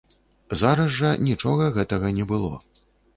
Зараз жа нічога гэтага не было.